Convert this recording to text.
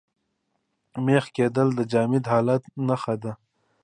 مېخ کېدل د جامد حالت نخښه ده.